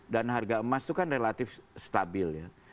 dan harga emas itu kan relatif stabil ya